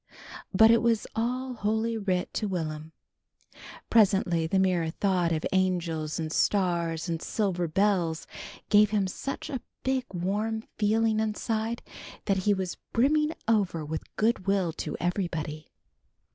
But it was all Holy Writ to Will'm. Presently the mere thought of angels and stars and silver bells gave him such a big warm feeling inside, that he was brimming over with good will to everybody.